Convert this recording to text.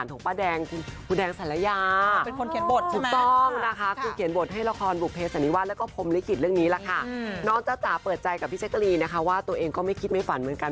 เจ้าจ๋าเปิดใจกับพี่แจกรีนนะคะว่าตัวเองก็ไม่คิดไม่ฝันเหมือนกัน